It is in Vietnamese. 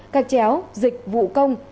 các chéo dịch vụ công